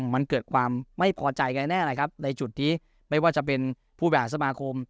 มันเกิดความไม่พอใจกันแน่นะครับในจุดนี้ไม่ว่าจะเป็นผู้บริหารสมาคม